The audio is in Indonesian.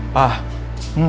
pak aku mau ngomong sesuatu